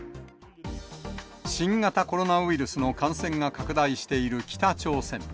新型コロナウイルスの感染が拡大している北朝鮮。